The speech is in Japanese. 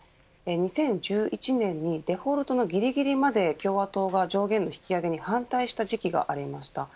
２０１１年にデフォルトのぎりぎりまで共和党が上限の引き上げに反対した時期がありました。